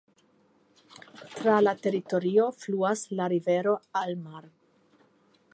Tra la teritorio fluas la rivero Almar.